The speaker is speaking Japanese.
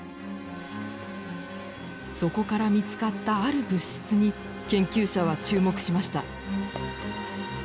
そこから見つかったある物質に研究者は注目しました。